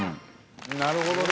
なるほどね。